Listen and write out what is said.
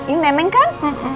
ini neneng kan